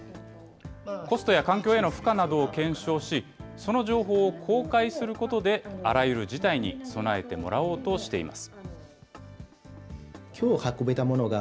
コストや環境への負荷などを検証し、その情報を公開することであらゆる事態に備えてもらおうとしています。